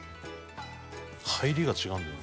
入りが違うんだよな。